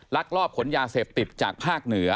ลักลอบขนยาเสพติดจากภาคเหนือ